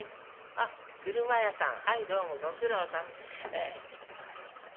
あっ俥屋さんはいどうもご苦労さん。